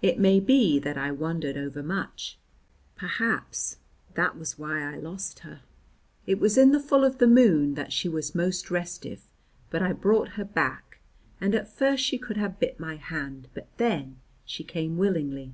It may be that I wondered over much. Perhaps that was why I lost her. It was in the full of the moon that she was most restive, but I brought her back, and at first she could have bit my hand, but then she came willingly.